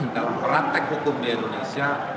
dalam praktek hukum di indonesia